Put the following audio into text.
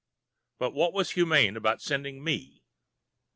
but what was humane about sending me?